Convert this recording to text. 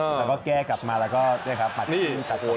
แต่ก็แก้กลับมาแล้วก็ไอ่ครับหมัดทิ้งตัดเพลง